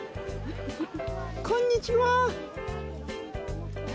こんにちは。